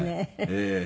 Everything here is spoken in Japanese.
ええ。